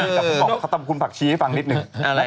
ก็บอกว่าเขาต้องคุณผักชีให้ฟังนิดหนึ่ง